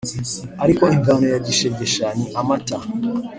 ariko imvano ya gishegesha ni amata,